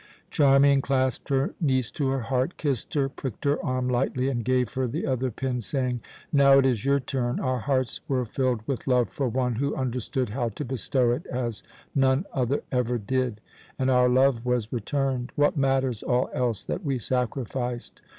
Charmian clasped her niece to her heart, kissed her, pricked her arm lightly, and gave her the other pin, saying: "Now it is your turn. Our hearts were filled with love for one who understood how to bestow it as none other ever did, and our love was returned. What matters all else that we sacrificed?